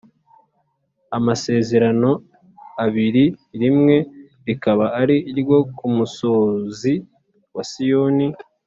amasezerano abiri rimwe rikaba ari iryo ku musozi wa Sinayi